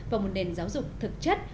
bộ giáo dục thực chất